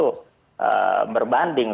kebutuhan itu berbanding